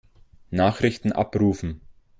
Nachrichten abrufen.